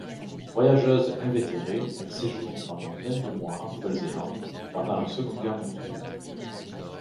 Voyageuse invétérée, elle séjourne pendant vingt-deux mois en Nouvelle-Zélande pendant la Seconde Guerre mondiale.